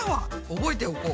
覚えておこう。